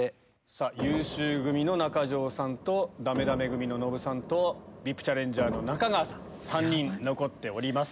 優秀組の中条さんとダメダメ組のノブさんとＶＩＰチャレンジャーの中川さん３人残っております。